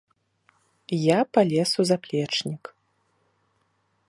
Я палез у заплечнік.